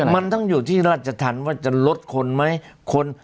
มันต้องอยู่ที่ราชธรรมว่าจะลดคนไหม